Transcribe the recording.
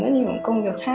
rất nhiều công việc khác